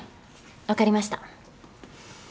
分かりました。